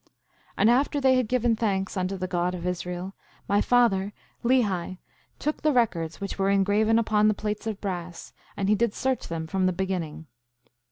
5:10 And after they had given thanks unto the God of Israel, my father, Lehi, took the records which were engraven upon the plates of brass, and he did search them from the beginning.